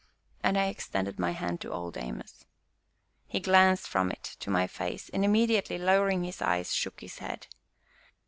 and I extended my hand to Old Amos. He glanced from it to my face, and immediately, lowering his eyes, shook his head.